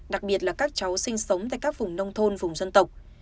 đặc biệt là các cháu sinh sống tại các vùng nông thôn vùng dân tộc